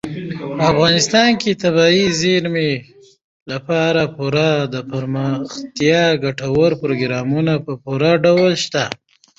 افغانستان کې د طبیعي زیرمې لپاره پوره دپرمختیا ګټور پروګرامونه په پوره ډول شته.